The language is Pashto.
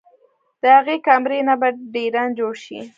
د هغې کمرې نه به ډېران جوړ شي